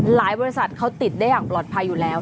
บริษัทเขาติดได้อย่างปลอดภัยอยู่แล้ว